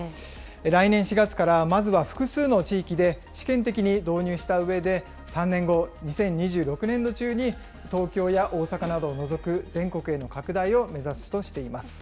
来年４月から、まずは複数の地域で、試験的に導入したうえで、３年後・２０２６年度中に東京や大阪などを除く全国への拡大を目指すとしています。